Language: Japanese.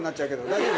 大丈夫？